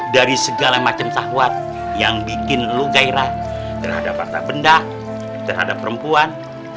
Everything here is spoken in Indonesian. dari segala macam sahwat yang bikin lo gairah terhadap atap benda terhadap perempuan